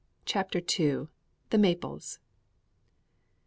CHAPTER II. _THE MAPLES.